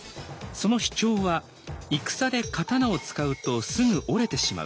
その主張は「戦で刀を使うとすぐ折れてしまう。